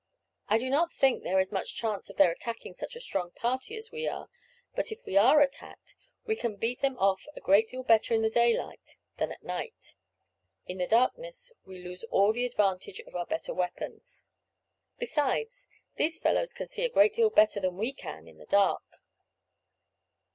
I do not think there is much chance of their attacking such a strong party as we are; but if we are attacked, we can beat them off a great deal better in the daylight than at night; in the darkness we lose all the advantage of our better weapons. Besides, these fellows can see a great deal better than we can in the dark."